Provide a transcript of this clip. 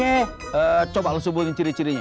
eh coba lu sebutin ciri cirinya